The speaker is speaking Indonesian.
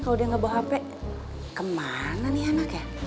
kalau dia nggak bawa hp kemana nih anaknya